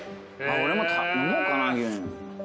俺も飲もうかな。